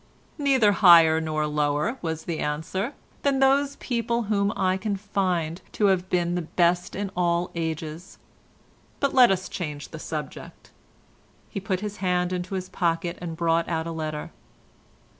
"Neither higher nor lower," was the answer, "than those people whom I can find to have been the best in all ages. But let us change the subject." He put his hand into his pocket and brought out a letter.